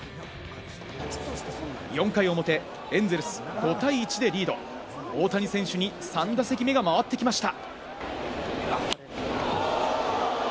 ４回表エンゼルス５対１でリード、大谷選手に３打席目が回ってきました。